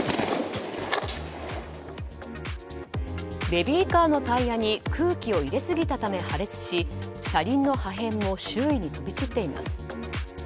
ベビーカーのタイヤに空気を入れすぎたため破裂し車輪の破片も周囲に飛び散っています。